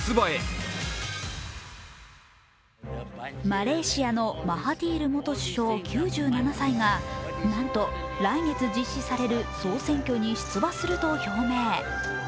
マレーシアのマハティール元首相９７歳がなんと来月実施される総選挙に出馬すると表明。